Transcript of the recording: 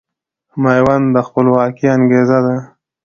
ميوند د خپلواکۍ انګېزه ده